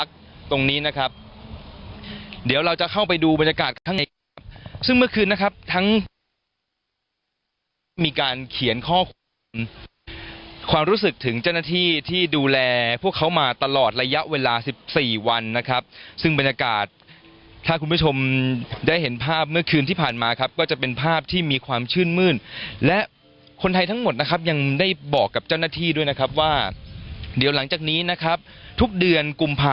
ซึ่งเมื่อคืนนะครับทั้งอายุนี้ก็มีการเขียนข้อความรู้สึกถึงเจ้าหน้าที่ที่ดูแลพวกเขามาตลอดระยะเวลา๑๔วันนะครับซึ่งบรรยากาศถ้าคุณผู้ชมได้เห็นภาพเมื่อคืนที่ผ่านมาครับก็จะเป็นภาพที่มีความชื่นมื้น